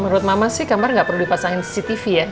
menurut mama sih kamar gak perlu dipasangin cctv ya